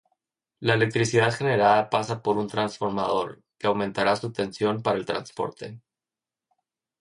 La electricidad generada pasa por un transformador, que aumentará su tensión para el transporte.